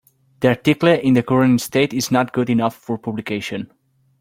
The article in the current state is not good enough for publication.